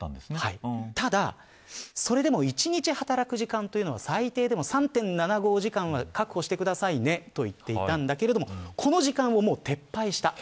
ただそれでも１日働く時間というのを最低でも３．７５時間確保してくださいねと言っていたんだけれどもこの時間をもう撤廃した。